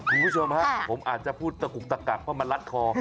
คุณผู้ชมฮะผมอาจจะพูดตะกุกตะกักเพราะมันรัดคอ